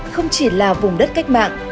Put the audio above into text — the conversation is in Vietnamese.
không chỉ là vùng đất cách mạng